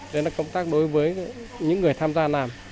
đấy là công tác đối với những người tham gia làm